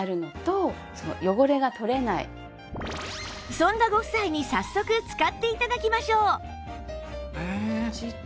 そんなご夫妻に早速使って頂きましょう